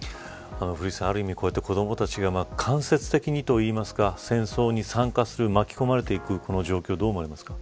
古市さん、ある意味子どもたちが間接的にというか戦争に参加する巻き込まれていくこの状況、どう思われますか。